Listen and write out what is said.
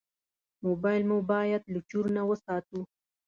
موبایل مو باید له چور نه وساتو.